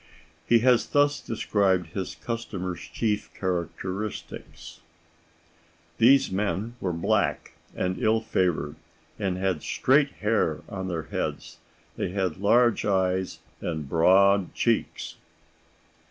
He has thus described his customers' chief characteristics: "These men were black and ill favoured, and had straight hair on their heads. They had large eyes and broad cheeks."